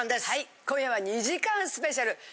はい今夜は２時間スペシャル。